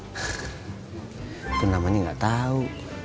itu namanya enggak tau